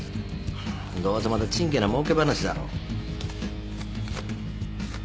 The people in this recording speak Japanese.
どうせまたちんけなもうけ話だろ。